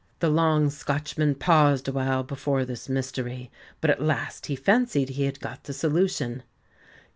The long Scotchman paused awhile before this mystery, but at last he fancied he had got the solution.